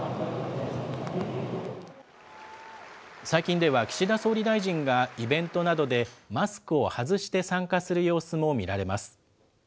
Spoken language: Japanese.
最近では、岸田総理大臣がイベントなどでマスクを外して参加する様子も見られます。